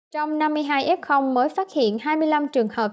trong năm mươi hai f mới phát hiện hai mươi năm trường hợp